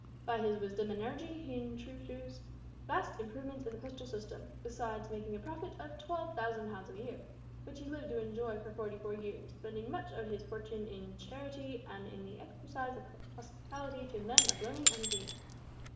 By his wisdom and energy he introduced vast improvements in the postal system, besides making a profit of 12,000 pounds a year, which he lived to enjoy for forty four years, spending much of his fortune in charity and in the exercise of hospitality to men of learning and genius.